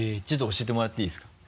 ちょっと教えてもらっていいですか？